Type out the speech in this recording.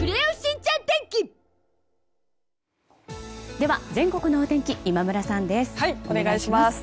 では全国のお天気今村さんです、お願いします。